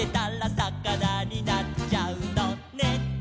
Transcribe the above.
「さかなになっちゃうのね」